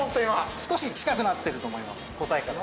少し近くなってると思います答えから。